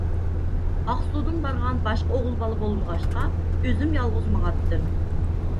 ئاقسۇدىن بارغان باشقا ئوغۇل بالا بولمىغاچقا، ئۆزۈم يالغۇز ماڭاتتىم.